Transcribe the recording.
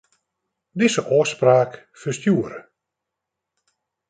Dizze ôfspraak ferstjoere.